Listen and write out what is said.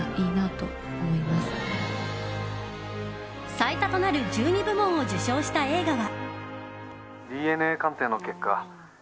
最多となる１２部門を受賞した映画が。